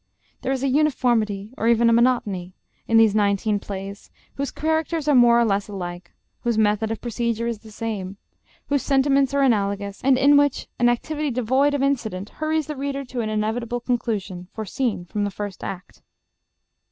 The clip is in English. There is a uniformity, or even a monotony, in these nineteen plays, whose characters are more or less alike, whose method of procedure is the same, whose sentiments are analogous, and in which an activity devoid of incident hurries the reader to an inevitable conclusion, foreseen from the first act.